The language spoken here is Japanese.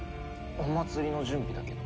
お祭りの準備だけど。